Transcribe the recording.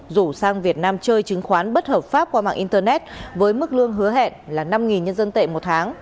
rủ sang việt nam chơi chứng khoán bất hợp pháp qua mạng internet với mức lương hứa hẹn là năm nhân dân tệ một tháng